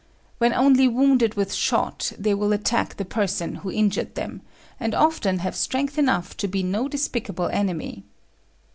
When only wounded with shot they will attack the person who injured them, and often have strength enough to be no despicable enemy."